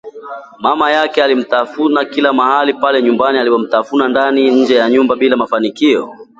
Mama yake alimtafuta kila mahali pale nyumbani, alimtafuta ndani na nje ya nyumba bila mafanikio